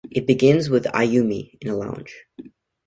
It begins with Ayumi in a lounge.